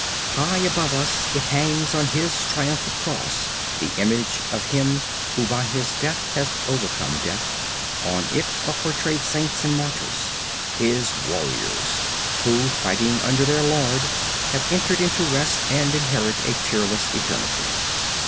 High above it hangs on His Triumphant Cross the image of Him who by His death hath overcome death; on it are portrayed Saints and Martyrs, His warriors who, fighting under their LORD have entered into rest and inherit a tearless eternity.